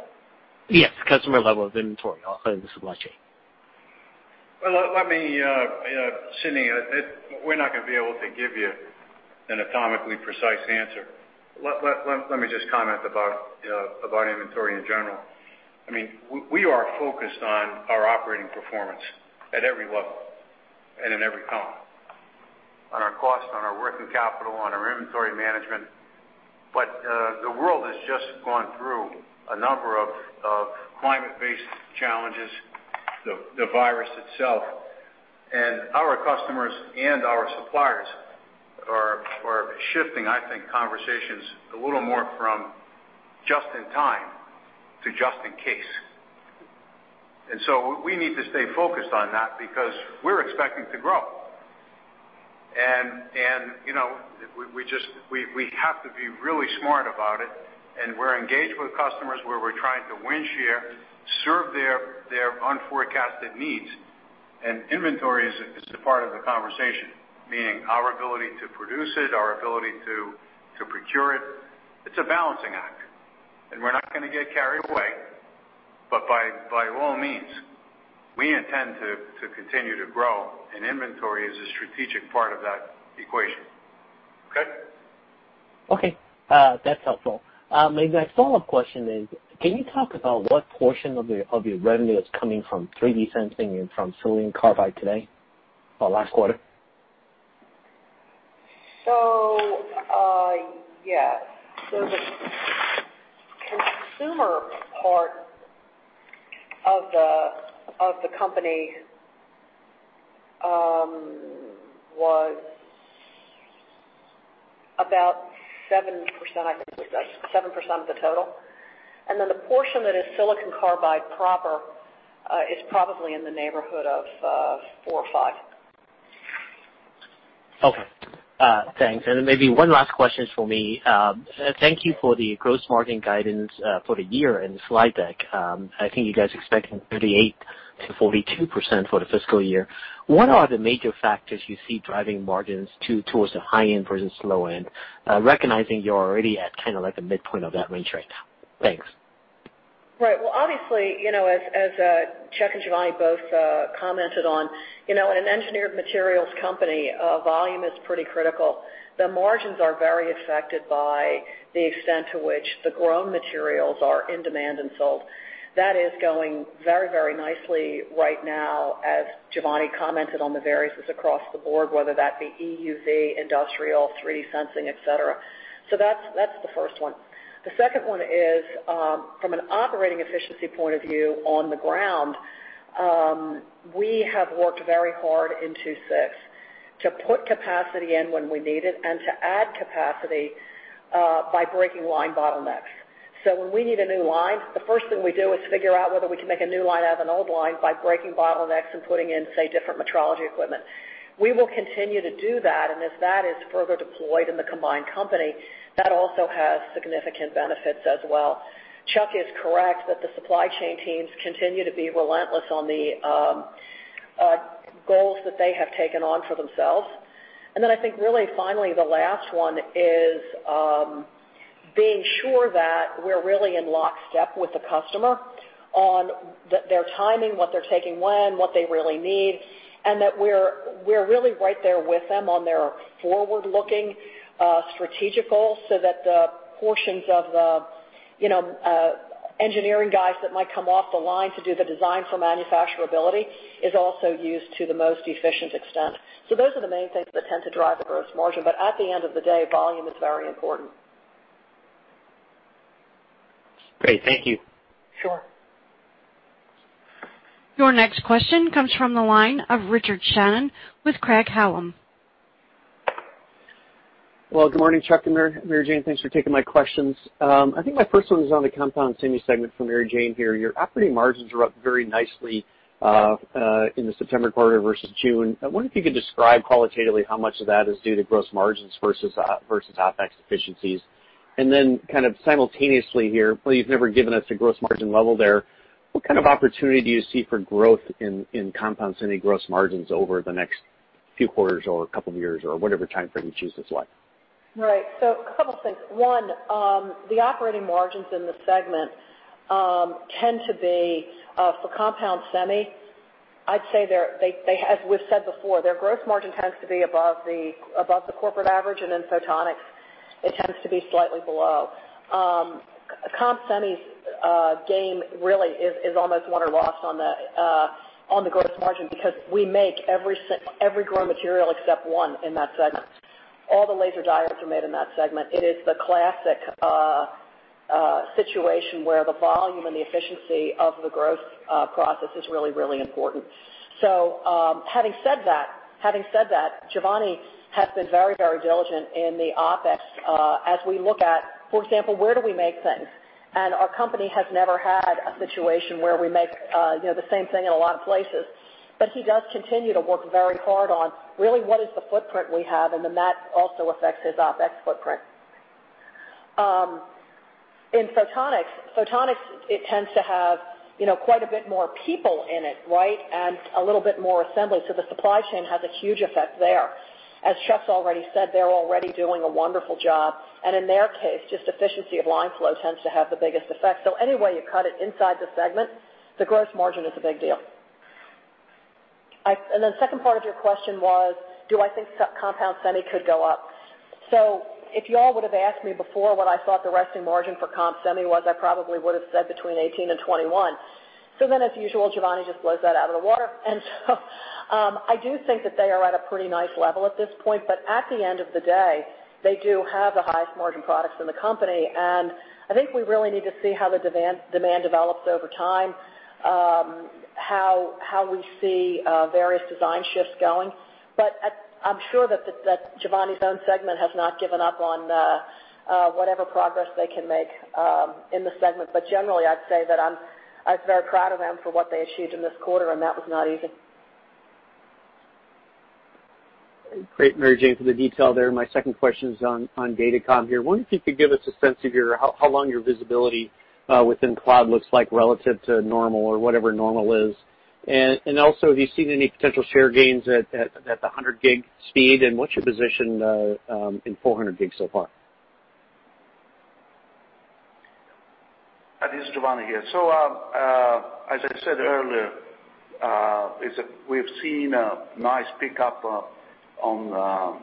Yes. Customer level of inventory on the supply chain. Sidney, we're not going to be able to give you an atomically precise answer. Let me just comment about inventory in general. We are focused on our operating performance at every level and in every column, on our cost, on our working capital, on our inventory management. The world has just gone through a number of climate-based challenges, the virus itself, and our customers and our suppliers are shifting, I think, conversations a little more from just in time to just in case. We need to stay focused on that because we're expecting to grow. We have to be really smart about it, and we're engaged with customers where we're trying to win share, serve their unforecasted needs. Inventory is a part of the conversation, meaning our ability to produce it, our ability to procure it. It's a balancing act, and we're not going to get carried away, but by all means, we intend to continue to grow, and inventory is a strategic part of that equation. Okay? Okay. That's helpful. My follow-up question is, can you talk about what portion of your revenue is coming from 3D sensing and from silicon carbide today or last quarter? Yeah. The consumer part of the company was about 7%, I think it was about 7% of the total. Then the portion that is silicon carbide proper, is probably in the neighborhood of 4% or 5%. Okay. Thanks. Maybe one last question for me. Thank you for the gross margin guidance for the year in the slide deck. I think you guys are expecting 38%-42% for the fiscal year. What are the major factors you see driving margins towards the high end versus low end, recognizing you're already at kind of like the midpoint of that range right now? Thanks. Right. Well, obviously, as Chuck and Giovanni both commented on, in an engineered materials company, volume is pretty critical. The margins are very affected by the extent to which the grown materials are in demand and sold. That is going very nicely right now, as Giovanni commented on the variances across the board, whether that be EUV, industrial, 3D sensing, et cetera. That's the first one. The second one is, from an operating efficiency point of view on the ground, we have worked very hard in II-VI to put capacity in when we need it and to add capacity by breaking line bottlenecks. When we need a new line, the first thing we do is figure out whether we can make a new line out of an old line by breaking bottlenecks and putting in, say, different metrology equipment. We will continue to do that, and as that is further deployed in the combined company, that also has significant benefits as well. Chuck is correct that the supply chain teams continue to be relentless on the goals that they have taken on for themselves. Then I think really finally, the last one is being sure that we're really in lockstep with the customer on their timing, what they're taking when, what they really need, and that we're really right there with them on their forward-looking strategic goals so that the portions of the engineering guys that might come off the line to do the design for manufacturability is also used to the most efficient extent. Those are the main things that tend to drive the gross margin. At the end of the day, volume is very important. Great. Thank you. Sure. Your next question comes from the line of Richard Shannon with Craig-Hallum. Well, good morning, Chuck and Mary Jane. Thanks for taking my questions. I think my first one is on the Compound Semi segment for Mary Jane here. Your operating margins are up very nicely in the September quarter versus June. I wonder if you could describe qualitatively how much of that is due to gross margins versus OpEx efficiencies. Kind of simultaneously here, well, you've never given us a gross margin level there. What kind of opportunity do you see for growth in Compound Semi gross margins over the next few quarters or couple of years or whatever timeframe you choose is what? Right. A couple things. One, the operating margins in the segment tend to be, for Compound Semi, I'd say as we've said before, their gross margin tends to be above the corporate average, and then Photonics, it tends to be slightly below. Comp Semi's game really is almost won or lost on the gross margin because we make every grown material except one in that segment. All the laser diodes are made in that segment. It is the classic situation where the volume and the efficiency of the growth process is really important. Having said that, Giovanni has been very diligent in the OpEx, as we look at, for example, where do we make things? Our company has never had a situation where we make the same thing in a lot of places. He does continue to work very hard on really what is the footprint we have, and then that also affects his OpEx footprint. In Photonics, it tends to have quite a bit more people in it, right? A little bit more assembly. The supply chain has a huge effect there. As Chuck's already said, they're already doing a wonderful job. In their case, just efficiency of line flow tends to have the biggest effect. Any way you cut it inside the segment, the gross margin is a big deal. The second part of your question was, do I think Compound Semi could go up? If you all would have asked me before what I thought the resting margin for Comp Semi was, I probably would have said between 18% and 21%. As usual, Giovanni just blows that out of the water. I do think that they are at a pretty nice level at this point, but at the end of the day, they do have the highest margin products in the company, and I think we really need to see how the demand develops over time, how we see various design shifts going. I'm sure that Giovanni's own segment has not given up on whatever progress they can make in the segment. Generally, I'd say that I'm very proud of them for what they achieved in this quarter, and that was not easy. Great, Mary Jane, for the detail there. My second question is on Datacom here. I wonder if you could give us a sense of how long your visibility within cloud looks like relative to normal or whatever normal is. Also, have you seen any potential share gains at the 100G speed, and what's your position in 400G so far? This is Giovanni here. As I said earlier, we've seen a nice pickup on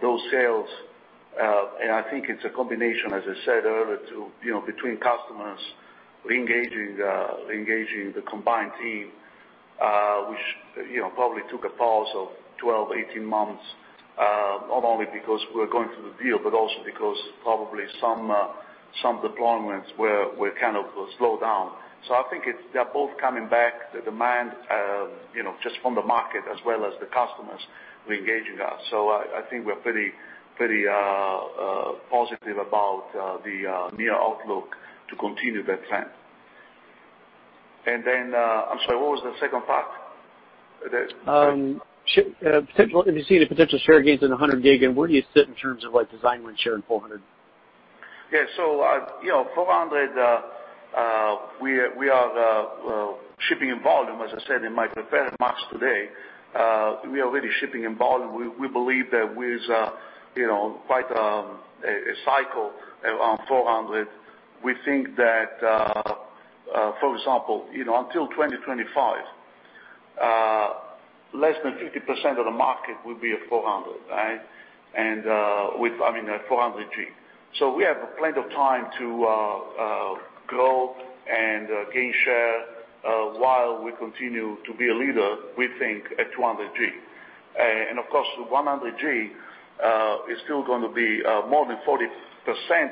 those sales. I think it's a combination, as I said earlier, between customers reengaging the combined team, which probably took a pause of 12, 18 months, not only because we're going through the deal, but also because probably some deployments were kind of slowed down. I think they're both coming back, the demand just from the market as well as the customers reengaging us. I think we're pretty positive about the near outlook to continue that trend. I'm sorry, what was the second part? If you've seen the potential share gains in 100G, and where do you sit in terms of design win share in 400G? Yeah. 400G, we are shipping in volume, as I said in my prepared remarks today. We are really shipping in volume. We believe that with quite a cycle around 400G. We think that, for example, until 2025, less than 50% of the market will be at 400G. I mean, at 400G. We have plenty of time to grow and gain share while we continue to be a leader, we think, at 200G. Of course, 100G is still going to be more than 40%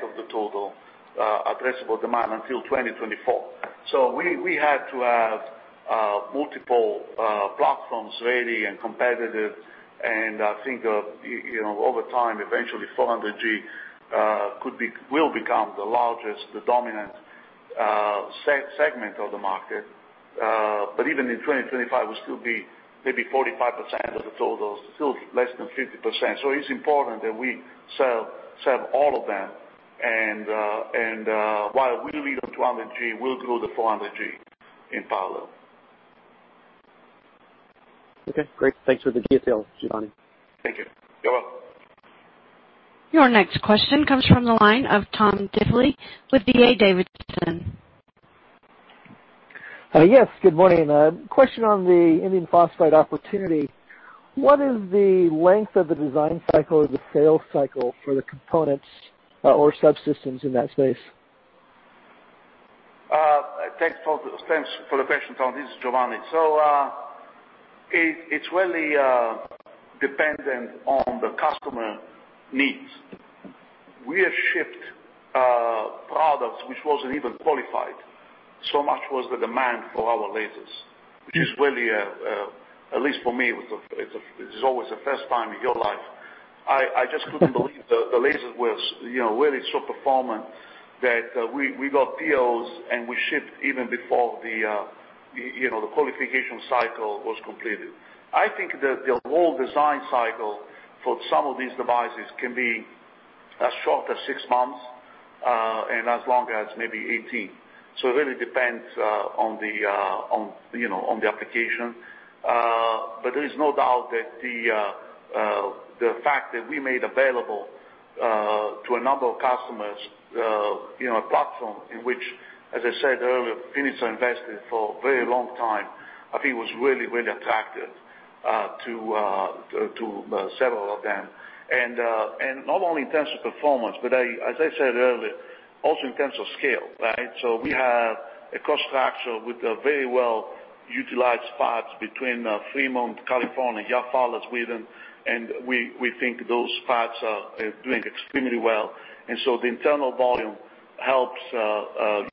of the total addressable demand until 2024. We had to have multiple platforms ready and competitive, and I think over time, eventually 400G will become the largest, the dominant segment of the market. Even in 2025, we'll still be maybe 45% of the total, still less than 50%. It's important that we serve all of them, and while we lead on 200G, we'll grow the 400G in parallel. Okay, great. Thanks for the detail, Giovanni. Thank you. You're welcome. Your next question comes from the line of Tom Diffely with DA Davidson. Yes, good morning. Question on the indium phosphide opportunity. What is the length of the design cycle or the sales cycle for the components or subsystems in that space? Thanks for the question, Tom. This is Giovanni. It's really dependent on the customer needs. We have shipped products which wasn't even qualified, so much was the demand for our lasers, which is really, at least for me, it's always a first time in your life. I just couldn't believe the laser was really so performant that we got POs and we shipped even before the qualification cycle was completed. I think that the whole design cycle for some of these devices can be as short as six months, and as long as maybe 18. It really depends on the application. There is no doubt that the fact that we made available to a number of customers a platform in which, as I said earlier, Finisar invested for a very long time, I think was really, really attractive to several of them. Not only in terms of performance, but as I said earlier, also in terms of scale, right? We have a cost structure with a very well-utilized fabs between Fremont, California, Järfälla, Sweden, and we think those fabs are doing extremely well. The internal volume helps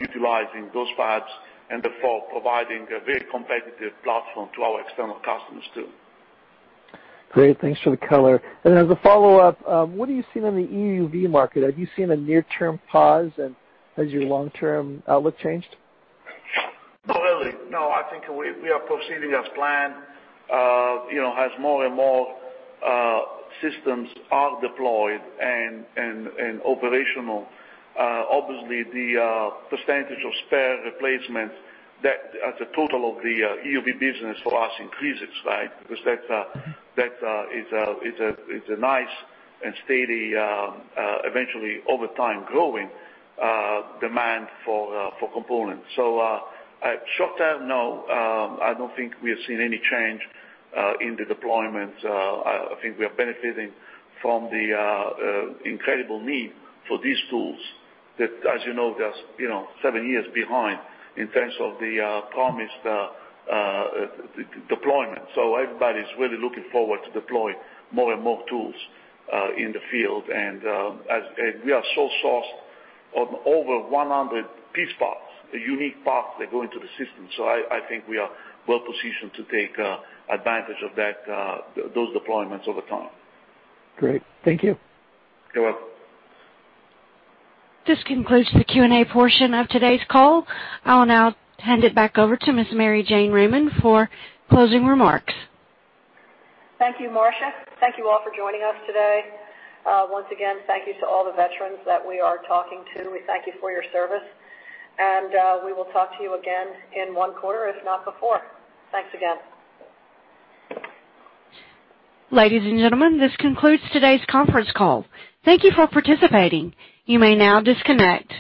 utilizing those fabs and therefore providing a very competitive platform to our external customers, too. Great. Thanks for the color. As a follow-up, what are you seeing in the EUV market? Have you seen a near-term pause, and has your long-term outlook changed? Not really. No, I think we are proceeding as planned. As more and more systems are deployed and operational, obviously the percentage of spare replacements as a total of the EUV business for us increases, right? That is a nice and steady, eventually over time growing demand for components. Short term, no, I don't think we have seen any change in the deployment. I think we are benefiting from the incredible need for these tools that, as you know, they are seven years behind in terms of the promised deployment. Everybody's really looking forward to deploying more and more tools in the field. We are sole sourced on over 100 piece parts, unique parts that go into the system. I think we are well positioned to take advantage of those deployments over time. Great. Thank you. You're welcome. This concludes the Q&A portion of today's call. I'll now hand it back over to Ms. Mary Jane Raymond for closing remarks. Thank you, Marsha. Thank you all for joining us today. Once again, thank you to all the veterans that we are talking to. We thank you for your service, and we will talk to you again in one quarter, if not before. Thanks again. Ladies and gentlemen, this concludes today's conference call. Thank you for participating. You may now disconnect.